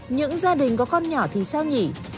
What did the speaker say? những gia đình có con nhỏ thì sao nhỉ